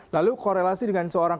lalu korelasi dengan seorang